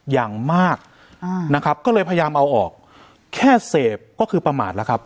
อย่างมากนะครับก็เลยพยายามเอาออกแค่เสพก็คือประมาทแล้วครับ